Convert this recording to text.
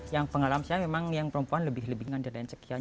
yang pengalaman saya memang yang perempuan lebih lebih dari sekian